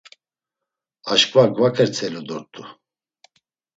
Aşǩva gvaǩertselu dort̆u.